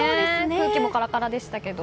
空気もカラカラでしたけど。